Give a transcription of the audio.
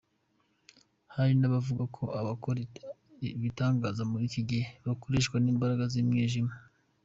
Hari n’abavuga ko abakora ibitangaza muri iki gihe, bakoreshwa n’imbaraga z’umwijima.